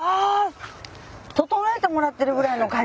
あ整えてもらってるぐらいの感じ？